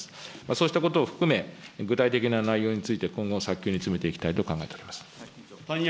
そうしたことを含め、具体的な内容について、今後、早急に詰めていきたいと考えております。